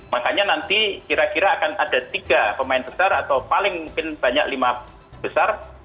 makanya nanti kira kira akan ada tiga pemain besar atau paling mungkin banyak lima besar